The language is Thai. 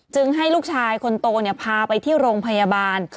ให้ลูกชายคนโตพาไปที่โรงพยาบาล